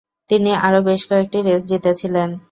তিনি আরও বেশ কয়েকটি রেস জিতেছিলেন।